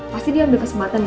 pasti dia ambil kesempatan